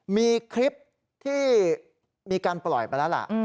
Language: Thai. มีคลิปที่มีการปล่อยไปแล้วล่ะ